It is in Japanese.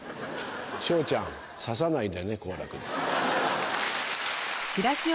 昇ちゃん指さないでね好楽です。